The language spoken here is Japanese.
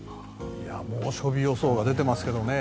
猛暑日予想が出ていますけどね。